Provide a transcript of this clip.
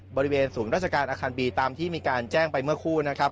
บริเวณศูนย์ราชการอาคารบีตามที่มีการแจ้งไปเมื่อคู่นะครับ